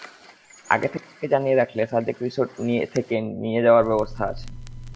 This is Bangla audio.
আগে থেকে জানিয়ে রাখলে, সাজেক রিসোর্ট থেকে নিয়ে যাওয়ার ব্যবস্থা আছে।